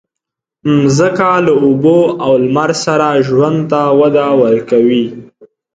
مځکه له اوبو او لمر سره ژوند ته وده ورکوي.